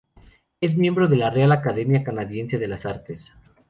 Es miembro de la Real Academia Canadiense de las Artes.